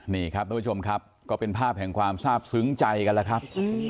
นี่ครับทุกผู้ชมครับก็เป็นภาพแห่งความทราบซึ้งใจกันแล้วครับ